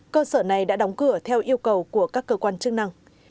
cơ sở này đã đóng cửa theo yêu cầu của các cơ quan chức năng